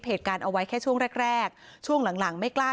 เหตุการณ์เอาไว้แค่ช่วงแรกแรกช่วงหลังหลังไม่กล้า